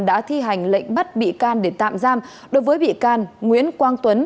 đã thi hành lệnh bắt bị can để tạm giam đối với bị can nguyễn quang tuấn